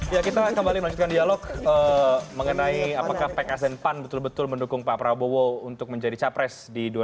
ya kita kembali melanjutkan dialog mengenai apakah pks dan pan betul betul mendukung pak prabowo untuk menjadi capres di dua ribu sembilan belas